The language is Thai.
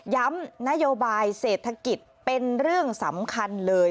นโยบายเศรษฐกิจเป็นเรื่องสำคัญเลย